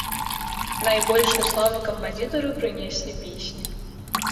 Найбольшую славу кампазітару прынеслі песні.